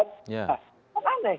nah kan aneh